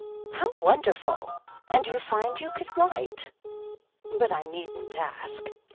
Oh, how wonderful ! And you find you can write ? But I needn't ask.